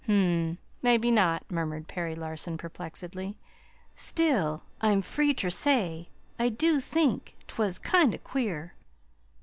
"Hm m, maybe not," murmured Perry Larson perplexedly. "Still, I'm free ter say I do think 't was kind o' queer."